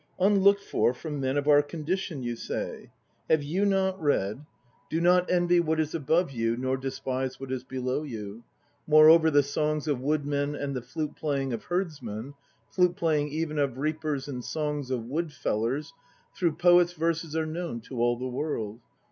Unlooked for from men of our condition, you say! Have you not read: Sec p. 224. 'Like Yukihira; see p. 225. 38 THE NO PLAYS OF JAPAN "Do not envy what is above you Nor despise what is below you"? Moreover the songs of woodmen and the flute playing of herdsmen, Flute playing even of reapers and songs of wood fellers Through poets' verses are known to all the world.